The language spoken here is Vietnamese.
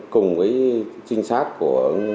cùng với trinh sát của